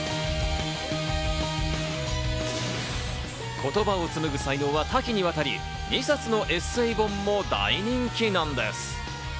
言葉を紡ぐ才能は多岐にわたり、２冊のエッセー本も大人気なんです。